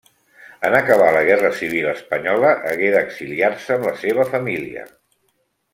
En acabar la guerra civil espanyola hagué d'exiliar-se amb la seva família.